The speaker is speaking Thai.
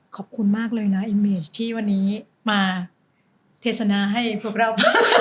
ขอบคุณมากเลยนะอีเมจที่วันนี้มาเทศนาให้พวกเรา